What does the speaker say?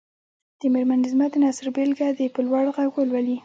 د مېرمن عظمت د نثر بېلګه دې په لوړ غږ ولولي.